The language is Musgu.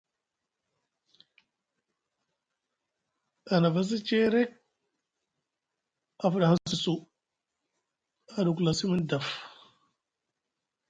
A navasi ceerek a fuɗaŋsi su, a ɗuklasi mini daf.